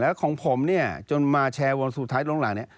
แล้วของผมเนี่ยจนมาแชร์วันสุดท้ายลงหลังเนี่ย